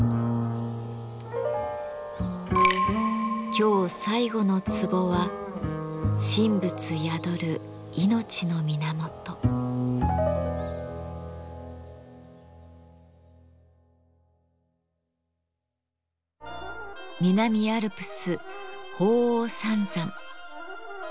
今日最後のツボは南アルプス鳳凰三山。